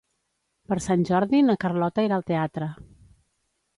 Per Sant Jordi na Carlota irà al teatre.